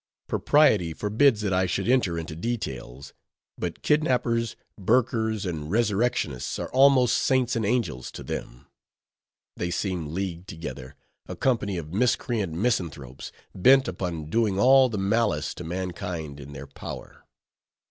Propriety forbids that I should enter into details; but kidnappers, burkers, and resurrectionists are almost saints and angels to them. They seem leagued together, a company of miscreant misanthropes, bent upon doing all the malice to mankind in their power.